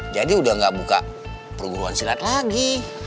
jadi udah gak buka perguruan silat lagi